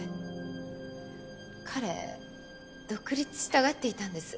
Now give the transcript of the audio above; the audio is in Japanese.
彼独立したがっていたんです。